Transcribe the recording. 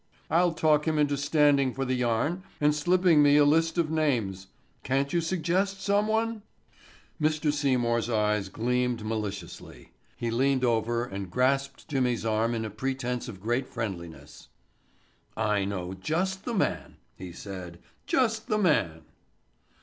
I'll talk him into standing for the yarn, and slipping me a list of names. Can't you suggest someone?" Mr. Seymour's eyes gleamed maliciously. He leaned over and grasped Jimmy's arm in a pretense of great friendliness. "I know just the man," he said, "just the man."